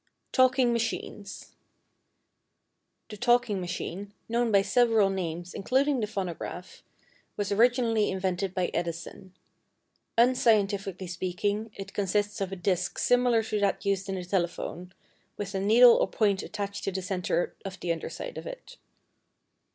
=Talking Machines.= The talking machine, known by several names, including the phonograph, was originally invented by Edison. Unscientifically speaking, it consists of a disc similar to that used in the telephone, with a needle or point attached to the center of the underside of it.